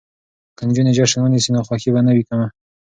که نجونې جشن ونیسي نو خوښي به نه وي کمه.